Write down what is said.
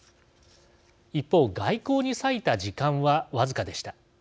一方、外交に割いた時間は僅かでした。